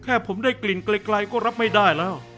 แค่ผมได้กลิ่นไกลก็รับไม่ได้แล้ว